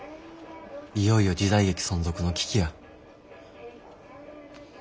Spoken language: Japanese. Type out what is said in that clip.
いよいよ時代劇存続の危機や。